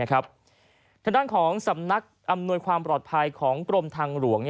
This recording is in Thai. ทางด้านของสำนักอำนวยความปลอดภัยของกรมทางหลวง